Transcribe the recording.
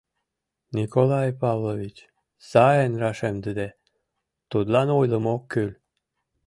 — Николай Павлович, сайын рашемдыде, тудлан ойлымо ок кӱл.